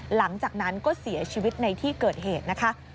หลังจากนั้นก็เสียชีวิตในที่เกิดเหตุนะคะ